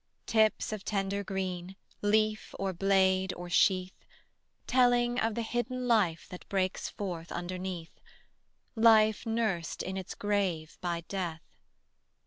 Tips of tender green, Leaf, or blade, or sheath; Telling of the hidden life That breaks forth underneath, Life nursed in its grave by Death.